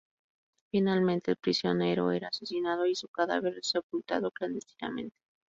Finalmente, el prisionero era asesinado, y su cadáver sepultado clandestinamente.